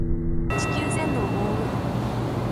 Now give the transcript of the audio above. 地球全土を覆う